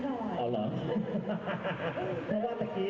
เพราะว่าเมื่อกี้เห็นมาในลูกสวยไง